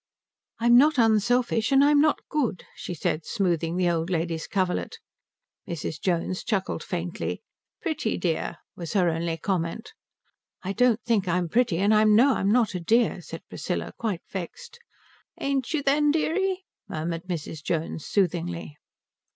"I'm not unselfish, and I'm not good," she said, smoothing the old lady's coverlet. Mrs. Jones chuckled faintly. "Pretty dear," was her only comment. "I don't think I'm pretty and I know I'm not a dear," said Priscilla, quite vexed. "Ain't you then, deary," murmured Mrs. Jones soothingly.